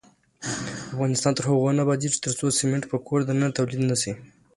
افغانستان تر هغو نه ابادیږي، ترڅو سمنټ په کور دننه تولید نشي.